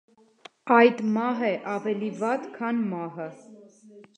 Այդ մահ է, ավելի վատ, քան մահը: